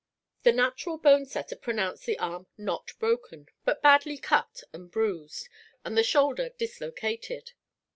The natural bone setter pronounced the arm not broken, but badly cut and bruised, and the shoulder dislocated.